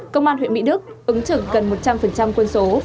công an huyện mỹ đức ứng trực gần một trăm linh quân số